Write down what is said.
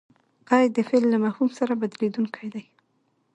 قید؛ د فعل له مفهوم سره بدلېدونکی دئ.